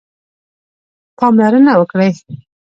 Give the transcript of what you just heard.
پاملرنه وکړئ